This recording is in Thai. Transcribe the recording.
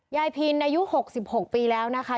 ยายพินในยุค๖๖ปีแล้วนะคะ